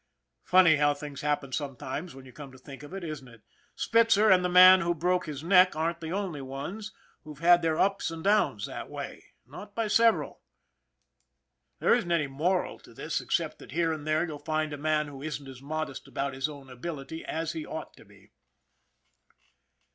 Funny how things happen sometimes when you come to think of it, isn't it ? Spitzer and the man who broke his neck aren't the only ones who've had their ups and downs that way, not by several. There isn't any moral to this except 82 ON THE IRON AT BIG CLOUD that here and there you'll find a man who isn't as. modest about his own ability as he ought to be